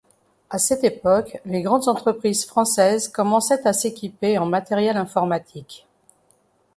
À cette époque les grandes entreprises françaises commençaient à s'équiper en matériel informatique.